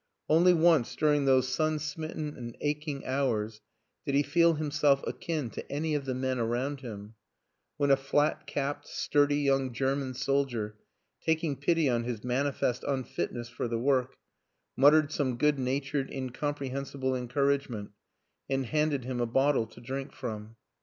Only once during those sun smitten and aching hours did he feel himself akin to any of the men around him when a flat capped, sturdy young German soldier, taking pity on his manifest unfitness for the work, muttered some good natured, incom prehensible encouragement and handed him a bot tle to drink from.